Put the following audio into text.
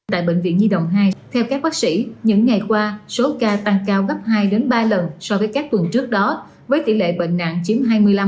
tại bệnh viện nhi đồng hai theo các bác sĩ những ngày qua số ca tăng cao gấp hai ba lần so với các tuần trước đó với tỷ lệ bệnh nạn chiếm hai mươi năm ba mươi